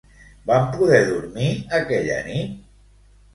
Van poder dormir aquella nit?